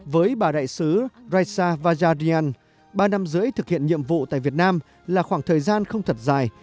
với bà đại sứ raisa vajardian ba năm rưỡi thực hiện nhiệm vụ tại việt nam là khoảng thời gian không thật dài